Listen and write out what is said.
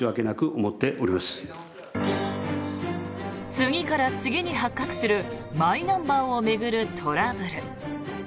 次から次に発覚するマイナンバーを巡るトラブル。